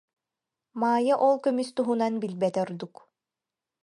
Маайа ол көмүс туһунан билбэтэ ордук